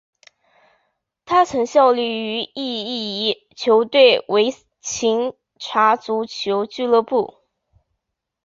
他曾效力于意乙球队维琴察足球俱乐部。